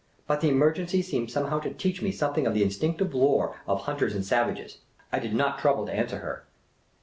But the emergency seemed somehow to teach me something of the instinctive lore of hunters and savages. I did not trouble to answer her.